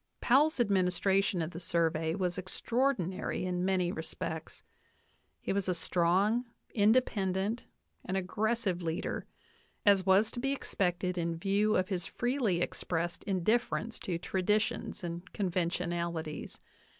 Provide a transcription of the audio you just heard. Powell's administration of the Survey was extraordinary in many respects. He was a strong, independent, and aggressive leader, as was to be expected in view of his freely expressed indifference to traditions and conventionalities.